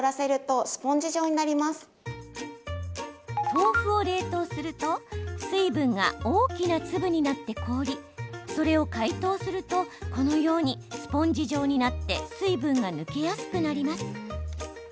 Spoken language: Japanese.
豆腐を冷凍すると水分が大きな粒になって凍りそれを解凍するとこのようにスポンジ状になって水分が抜けやすくなります。